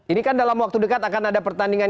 ini kan dalam waktu dekat akan ada pertandingan